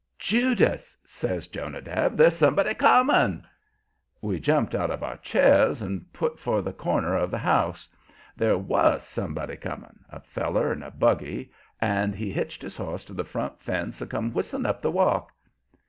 "Judas!" says Jonadab, "there's somebody COMING!" We jumped out of our chairs and put for the corner of the house. There WAS somebody coming a feller in a buggy, and he hitched his horse to the front fence and come whistling up the walk.